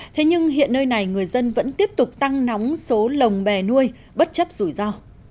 thế nhưng hiện nơi này người dân vẫn tiếp tục tăng nóng số lồng bè nuôi bất chấp rủi ro